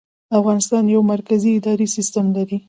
افغانستان یو مرکزي اداري سیستم لري